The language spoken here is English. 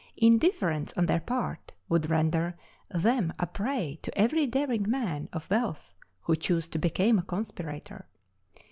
Indifference on their part would render them a prey to every daring man of wealth who chose to become a conspirator.